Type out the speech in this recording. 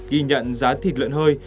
ghi nhận giá thịt lợn hơi